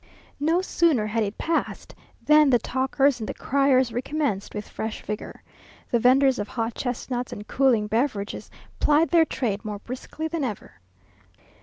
No sooner had it passed than the talkers and the criers recommenced with fresh vigour. The venders of hot chestnuts and cooling beverages plied their trade more briskly than ever.